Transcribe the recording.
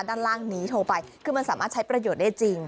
ด้านล่างนี้โทรไปคือมันสามารถใช้ประโยชน์ได้จริง